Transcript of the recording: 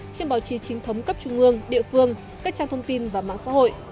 trên báo chí chính thống cấp trung ương địa phương các trang thông tin và mạng xã hội